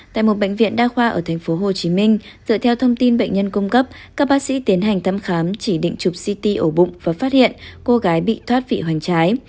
tại một bệnh viện đa khoa ở tp hcm dựa theo thông tin bệnh nhân cung cấp các bác sĩ tiến hành thăm khám chỉ định chụp ct ổ bụng và phát hiện cô gái bị thoát vị hoành trái